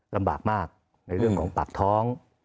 ลำบากมากในเรื่องของปากท้อง